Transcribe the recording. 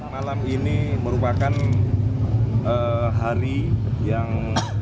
malam ini merupakan hari yang